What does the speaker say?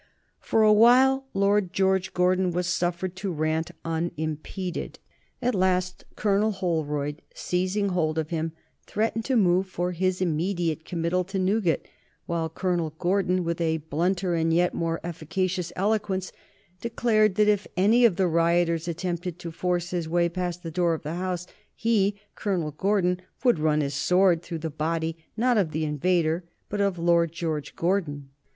For a while Lord George Gordon was suffered to rant unimpeded. At last Colonel Holroyd, seizing hold of him, threatened to move for his immediate committal to Newgate, while Colonel Gordon, with a blunter and yet more efficacious eloquence, declared that if any of the rioters attempted to force his way past the door of the House, he, Colonel Gordon, would run his sword through the body, not of the invader, but of Lord George Gordon.